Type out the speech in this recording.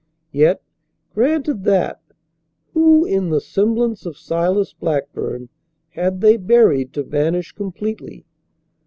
Yet, granted that, who, in the semblance of Silas Blackburn, had they buried to vanish completely?